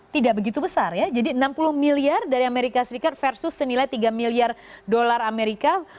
tidak begitu besar ya jadi enam puluh miliar dari amerika serikat versus senilai tiga miliar dolar amerika